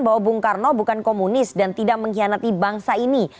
bahwa bung karno bukan komunis dan tidak mengkhianati bangsa ini